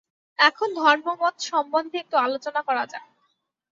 এখন ধর্মমত সম্বন্ধে একটু আলোচনা করা যাক।